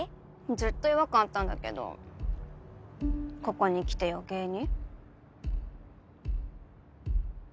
ずっと違和感あったんだけどここに来て余計に。